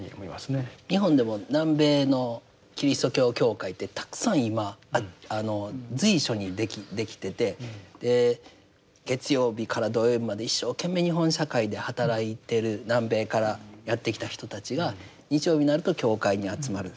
日本でも南米のキリスト教教会ってたくさん今随所にできてて月曜日から土曜日まで一生懸命日本社会で働いている南米からやって来た人たちが日曜日になると教会に集まる。